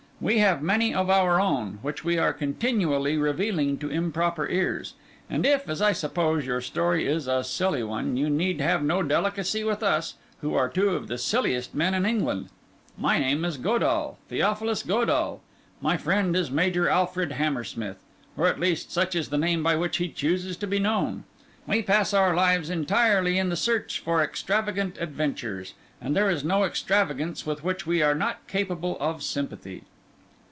We have many of our own, which we are continually revealing to improper ears. And if, as I suppose, your story is a silly one, you need have no delicacy with us, who are two of the silliest men in England. My name is Godall, Theophilus Godall; my friend is Major Alfred Hammersmith—or at least, such is the name by which he chooses to be known. We pass our lives entirely in the search for extravagant adventures; and there is no extravagance with which we are not capable of sympathy."